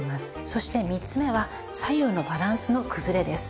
そして３つ目は左右のバランスの崩れです。